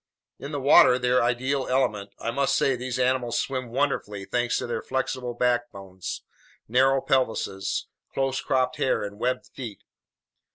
In the water, their ideal element, I must say these animals swim wonderfully thanks to their flexible backbones, narrow pelvises, close cropped hair, and webbed feet.